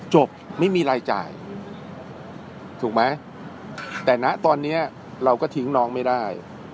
จบไม่มีรายจ่ายถูกไหมแต่นะตอนนี้เราก็ทิ้งน้องไม่ได้